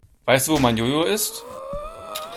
Weißt du, wo mein Jo-Jo ist?